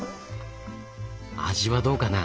味はどうかな？